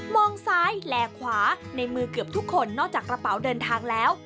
ซ้ายและขวาในมือเกือบทุกคนนอกจากกระเป๋าเดินทางแล้ว